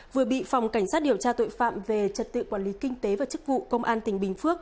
vừa bị phòng cảnh sát điều tra tội phạm về trật tự quản lý kinh tế và chức vụ công an tỉnh bình phước